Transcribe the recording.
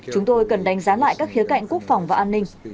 chúng tôi cần đánh giá lại các khía cạnh quốc phòng và an ninh